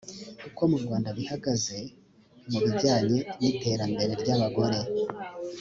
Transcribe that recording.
uko mu rwanda bihagaze mu bijyanye n’iterambere ry’abagore